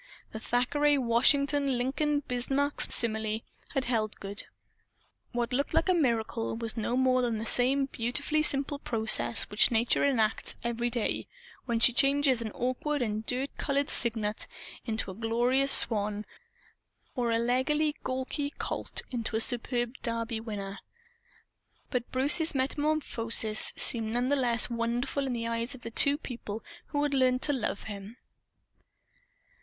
The Thackeray Washington Lincoln Bismarck simile had held good. What looked like a miracle was no more than the same beautifully simple process which Nature enacts every day, when she changes an awkward and dirt colored cygnet into a glorious swan or a leggily gawky colt into a superb Derby winner. But Bruce's metamorphosis seemed none the less wonderful in the eyes of the two people who had learned to love him.